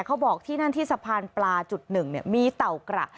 เขาบอกที่นั่นที่สะพานปลาจุดหนึ่งมีเต่ากระ